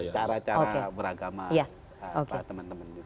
cara cara beragama teman teman